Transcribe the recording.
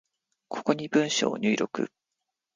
ここに文章を入力